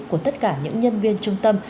của tất cả những nhân viên trung tâm